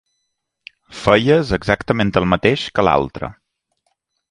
Feies exactament el mateix que l'altre.